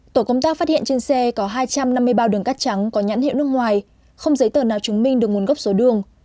tổ công tác phát hiện trên xe có hai trăm năm mươi bao đường cắt trắng có nhãn hiệu nước ngoài không giấy tờ nào chứng minh được nguồn gốc số đường